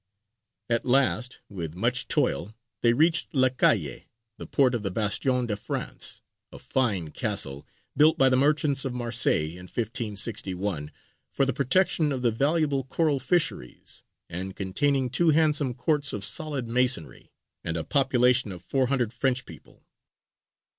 At last, with much toil, they reached La Calle, the port of the Bastion de France, a fine castle built by the merchants of Marseilles in 1561 for the protection of the valuable coral fisheries, and containing two handsome courts of solid masonry, and a population of four hundred French people.